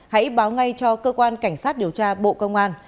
hãy báo ngay cho cơ quan cảnh sát điều tra bộ công an